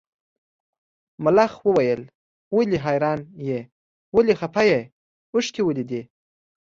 ملخ وویل ولې حیرانه یې ولې خپه یې اوښکي ولې دي.